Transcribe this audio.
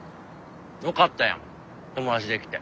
よかったやん友達できて。